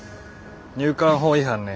入管法違反ね。